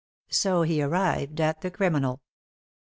So he arrived at the criminal.